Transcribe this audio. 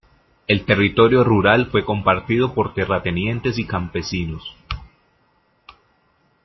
El territorio rural fue compartido por terratenientes y campesinos.